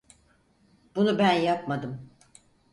Bunu ben yapmadım!